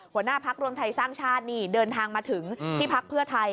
หัวหน้าพักรวมไทยสร้างชาตินี่เดินทางมาถึงที่พักเพื่อไทย